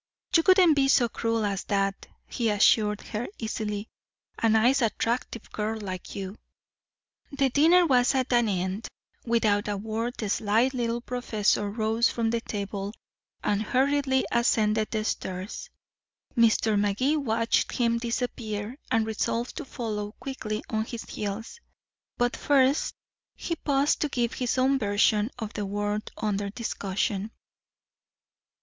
"You wouldn't be so cruel as that," he assured her easily; "a nice attractive girl like you." The dinner was at an end; without a word the sly little professor rose from the table and hurriedly ascended the stairs. Mr. Magee watched him disappear, and resolved to follow quickly on his heels. But first he paused to give his own version of the word under discussion.